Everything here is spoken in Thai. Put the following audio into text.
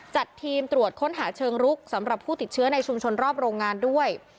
จัดทีมตรวจค้นหาเชิงรุกสำหรับผู้ติดเชื้อในชุมชนรอบโรงงานด้วย